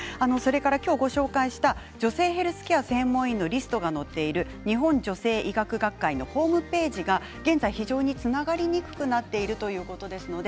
今日ご紹介した女性ヘルスケア専門医のリストが載っている日本女性医学学会のホームページが現在、非常につながりにくくなっているということです。